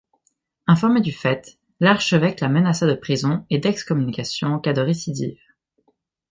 Informé du fait, l’archevêque la menaça de prison et d’excommunication en cas de récidive.